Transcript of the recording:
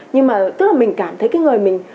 nhưng mà tức là mình cảm thấy cái người mình